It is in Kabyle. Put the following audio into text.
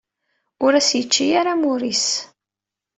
Ur as-yečči ara amur-is.